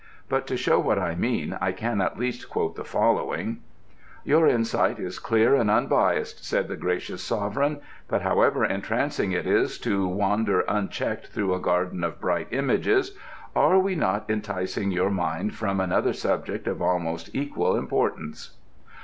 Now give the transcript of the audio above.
But to show what I mean I can at least quote the following: "Your insight is clear and unbiased," said the gracious Sovereign. "But however entrancing it is to wander unchecked through a garden of bright images, are we not enticing your mind from another subject of almost equal importance?"